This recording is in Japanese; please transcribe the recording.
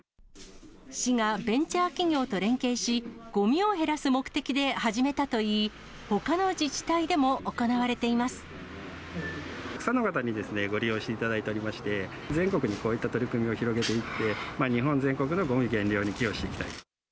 市がベンチャー企業と連携し、ごみを減らす目的で始めたといい、たくさんの方にご利用していただいておりまして、全国にこういった取り組みを広げていって、日本全国のごみ減量に寄与していきたい。